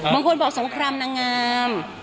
บางคนบอกสงครามนางงาม